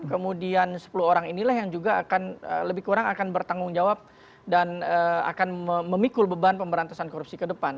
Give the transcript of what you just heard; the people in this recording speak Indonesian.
kemudian sepuluh orang inilah yang juga akan lebih kurang akan bertanggung jawab dan akan memikul beban pemberantasan korupsi ke depan